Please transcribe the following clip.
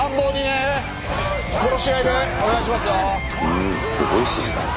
うんすごい指示だね。